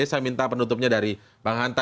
saya minta penutupnya dari bang hanta